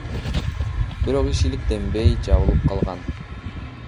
Бирок иш иликтенбей, жабылып калган.